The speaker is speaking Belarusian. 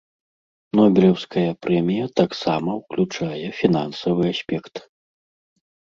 Нобелеўская прэмія таксама ўключае фінансавы аспект.